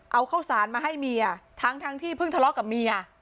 เอาข้าวสารมาให้เมียทั้งที่เพิ่งทะเลาะกับเมีย